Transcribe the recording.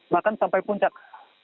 bahkan sampai puncak